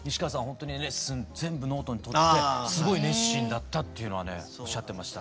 ほんとにレッスン全部ノートにとってすごい熱心だったっていうのはねおっしゃってました。